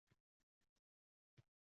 Kelajak bahorlarga.